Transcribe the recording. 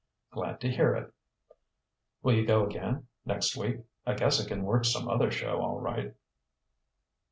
Glad to hear it. Will you go again next week? I guess I can work som'other show, all right."